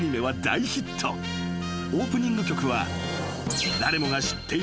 ［オープニング曲は］